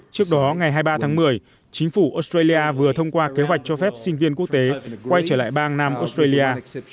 trước đó ngày hai mươi ba tháng một mươi chính phủ australia vừa thông qua kế hoạch cho phép sinh viên quốc tế quay trở lại bang nam australia